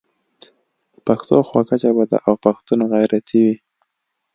پښتو خوږه ژبه ده او پښتون غیرتي وي.